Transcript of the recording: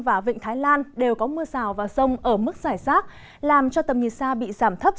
và vịnh thái lan đều có mưa rào và sông ở mức giải sát làm cho tầm nhiệt sa bị giảm thấp